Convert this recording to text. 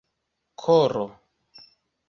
koro